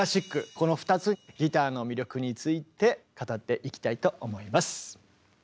この２つギターの魅力について語っていきたいと思います。